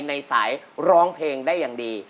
ในสายร้องเพลงได้อย่างดี